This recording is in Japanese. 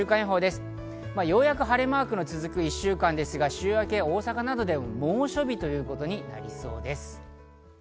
ようやく晴れマークが続く１週間ですが、週明け、大阪では猛暑日ということになりそうです。